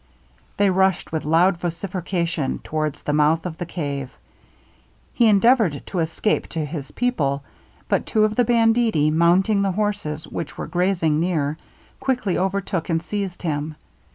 They rushed with loud vociferation towards the mouth of the cave. He endeavoured to escape to his people; but two of the banditti mounting the horses which were grazing near, quickly overtook and seized him.